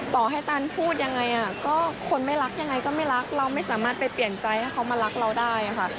ต่อให้ตันพูดยังไงก็คนไม่รักยังไงก็ไม่รักเราไม่สามารถไปเปลี่ยนใจให้เขามารักเราได้ค่ะ